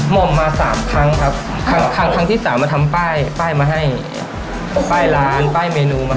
่งมาสามครั้งครับครั้งครั้งที่สามมาทำป้ายป้ายมาให้ป้ายร้านป้ายเมนูมา